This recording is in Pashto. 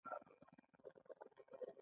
میمز کوچني فزیکي سیسټمونه دي.